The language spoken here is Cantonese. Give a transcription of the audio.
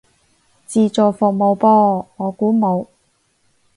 自助服務噃，我估冇